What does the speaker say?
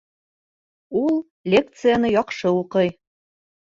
Ул лекцияны яҡшы уҡый